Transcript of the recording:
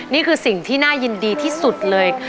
นี่คือสิ่งที่น่ายินดีที่สุดเลย